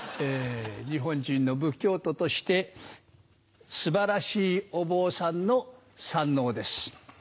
日本人の仏教徒として素晴らしいお坊さんの三ＮＯです。